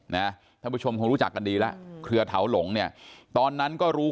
ท่านผู้ชมคงรู้จักกันดีแล้วเครือเถาหลงเนี่ยตอนนั้นก็รู้